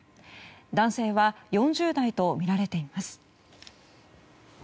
男性は４０代とみられています。